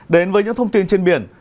đến với những thông tin trên biển